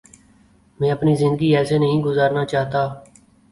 میں اپنی زندگی ایسے نہیں گزارنا چاہتا۔